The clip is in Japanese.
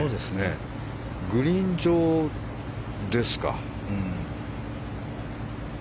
グリーン上ですか。